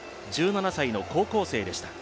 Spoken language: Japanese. １７歳の高校生でした。